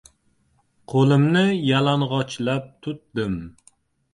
Qo‘limni yalang‘ochlab tutdim.